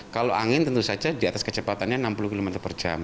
kalau angin tentu saja di atas kecepatannya enam puluh km per jam